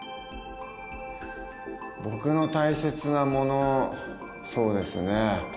僕の大切なものそうですね。